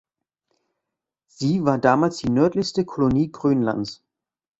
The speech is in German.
Sie war damals die nördlichste Kolonie Grönlands.